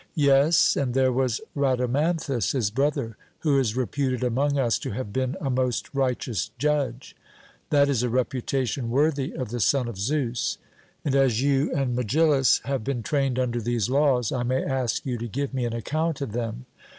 'Yes; and there was Rhadamanthus, his brother, who is reputed among us to have been a most righteous judge.' That is a reputation worthy of the son of Zeus. And as you and Megillus have been trained under these laws, I may ask you to give me an account of them.